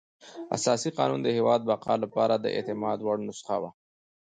اساسي قانون د هېواد د بقا لپاره د اعتماد وړ نسخه وه.